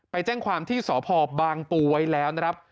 ไปแจ้งความที่สพบางปูไว้แล้วนะครับ